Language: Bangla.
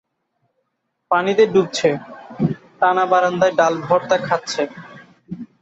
পানিতে ডুবছে, টানা বারান্দায় ডাল, ভর্তা খাচ্ছে।